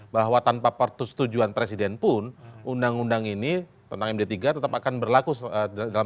bahwa tanpa pertustujuan presiden pun undang undang ini tentang d tiga tetap akan berlaku dalam